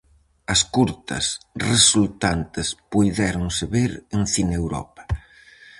As curtas resultantes puidéronse ver en Cineuropa.